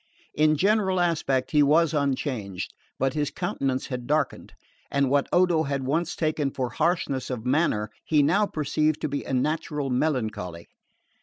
In general aspect he was unchanged; but his countenance had darkened, and what Odo had once taken for harshness of manner he now perceived to be a natural melancholy.